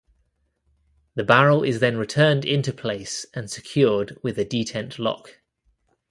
The barrel is then returned into place and secured with a detent lock.